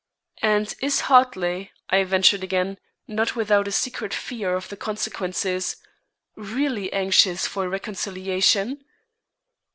"And is Hartley," I ventured again, not without a secret fear of the consequences, "really anxious for reconciliation?"